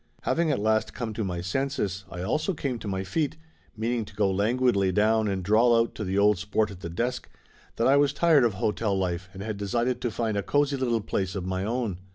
Having at last come to my senses I also came to my feet, meaning to go languidly down and drawl out to the old sport at the desk that I was tired of hotel life and had decided to find a cozy little place of my own.